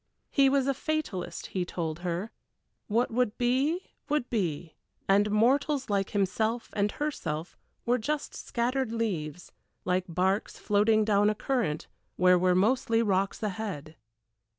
He was a fatalist, he told her; what would be would be, and mortals like himself and herself were just scattered leaves, like barks floating down a current where were mostly rocks ahead.